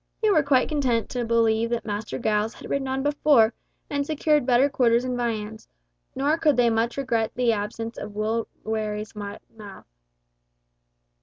They were quite content to believe that Master Giles had ridden on before and secured better quarters and viands, nor could they much regret the absence of Will Wherry's wide mouth.